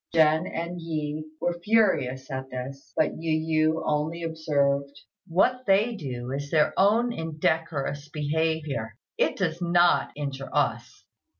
Jen and Yi were furious at this; but Yu yü only observed, "What they do is their own indecorous behaviour; it does not injure us."